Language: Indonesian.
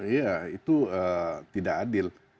iya itu tidak adil